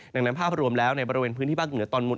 ดังนั้นภาพรวมแล้วในบริเวณพื้นที่ภาคเหนือตอนบน